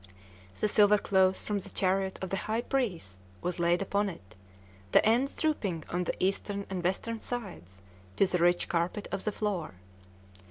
The silver cloth from the chariot of the high priest was laid upon it, the ends drooping on the eastern and western sides to the rich carpet of the floor.